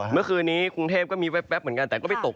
เมื่อคืนนี้กรุงเทพก็มีแว๊บเหมือนกันแต่ก็ไปตก